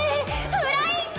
フ・ラ・イ・ン・グ。